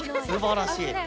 すばらしい。